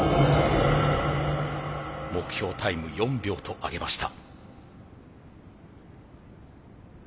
目標タイム４秒とあげました。